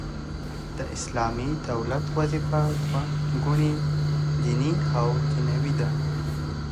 د اسلامي دولت وظیفه دوه ګونې دیني او دنیوې ده.